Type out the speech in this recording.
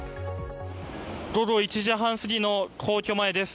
午後１時半すぎの皇居前です。